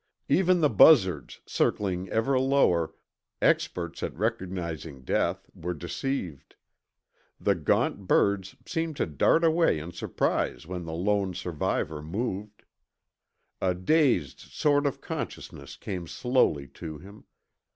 Even the buzzards, circling ever lower, experts at recognizing death, were deceived. The gaunt birds seemed to dart away in surprise when the lone survivor moved. A dazed sort of consciousness came slowly to him.